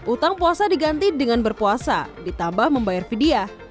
utang puasa diganti dengan berpuasa ditambah membayar vidya